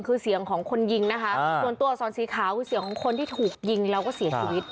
คือเสียงของคนยิงนะคะส่วนตัวอักษรสีขาวคือเสียงของคนที่ถูกยิงแล้วก็เสียชีวิต